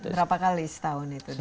berapa kali setahun itu di lakukan